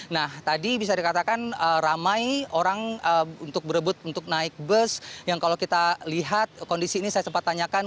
nah tadi bisa dikatakan ramai orang untuk berebut untuk naik bus yang kalau kita lihat kondisi ini saya sempat tanyakan